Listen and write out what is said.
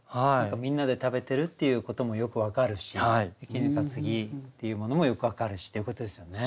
みんなで食べてるっていうこともよく分かるし衣被っていうものもよく分かるしっていうことですよね。